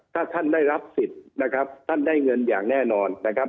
ถ้าท่านได้รับสิทธิ์นะครับท่านได้เงินอย่างแน่นอนนะครับ